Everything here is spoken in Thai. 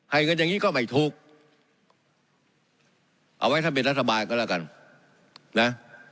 เงินอย่างงี้ก็ไม่ถูกเอาไว้ท่านเป็นรัฐบาลก็แล้วกันนะ